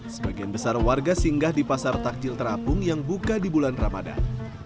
sebagian besar warga singgah di pasar takjil terapung yang buka di bulan ramadan